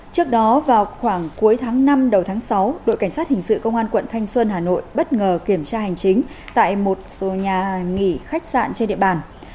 trước đó vào khoảng cuối tháng năm đầu tháng sáu đội cảnh sát hình sự công an quận thanh xuân hà nội bất ngờ kiểm tra hành chính tại một số nhà nghỉ khách sạn trên địa bàn